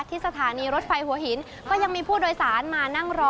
สถานีรถไฟหัวหินก็ยังมีผู้โดยสารมานั่งรอ